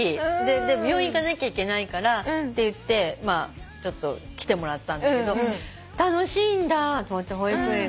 で病院行かなきゃいけないからって言ってまあ来てもらったんだけど楽しいんだと思って保育園が。